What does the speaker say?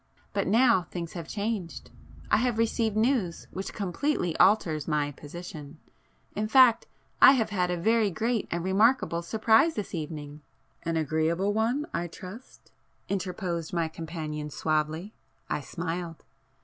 But now, things have changed,—I have received news which completely alters my position,—in fact I have had a very great and remarkable surprise this evening...." "An agreeable one I trust?" interposed my companion suavely. I smiled.